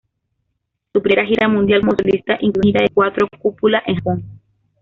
Su primera gira mundial como solista incluyó una gira de cuatro cúpula en Japón.